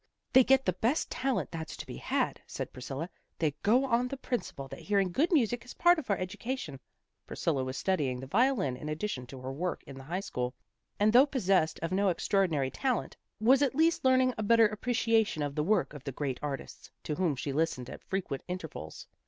" They get the best talent that's to be had," said Priscilla. " They go on the principle that hearing good music is part of our education." Priscilla was studying the violin in addition to her work in the high school, and though. 236 A PATHETIC STORY 237 possessed of no extraordinary talent, was at least learning a better appreciation of the work of the great artists to whom she listened at frequent intervals.